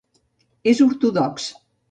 És ortodox.